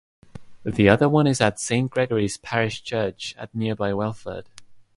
The other one is at Saint Gregory's parish church at nearby Welford.